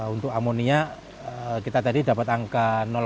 untuk amonia kita tadi dapat angka